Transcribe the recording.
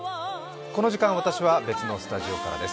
この時間、私は別のスタジオからです。